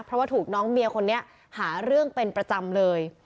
เพราะว่าถูกน้องเมียคนนี้หาเรื่องเป็นประจำเลย